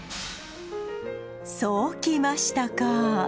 そうきましたか！